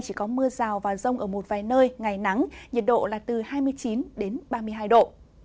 chỉ có mưa rào và rông ở một vài nơi ngày nắng nhiệt độ là từ hai mươi chín đến ba mươi hai độ